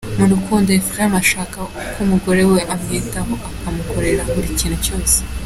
Mu rukundo, Ephrem ashaka ko umugore we amwitaho akamukorera buri kintu cyose.